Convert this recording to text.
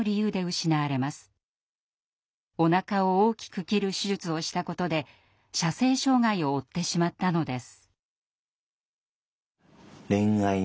おなかを大きく切る手術をしたことで射精障害を負ってしまったのです。